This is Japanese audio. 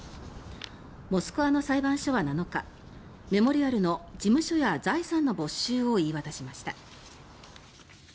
モスクワの裁判所は７日メモリアルの事務所や財産の没収を言い渡しました。